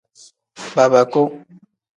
Babaku.